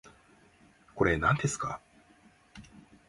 これ、なんですか